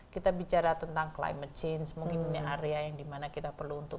kita bicara tentang climate change mungkin ini area yang dimana kita perlu untuk